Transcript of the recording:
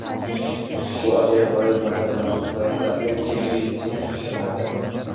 U ajoyib-gʻaroyib manzaralarni hikoya qilarkan, sherigining ichini it tirnardi